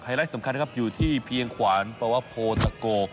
ไลท์สำคัญนะครับอยู่ที่เพียงขวานปวโพตะโก